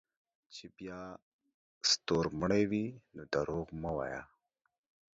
چې بیا ستورمړے وې نو دروغ مه وایه